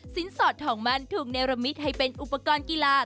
สอดทองมั่นถูกเนรมิตให้เป็นอุปกรณ์กีฬา